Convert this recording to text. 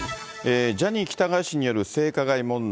ジャニー喜多川氏による性加害問題。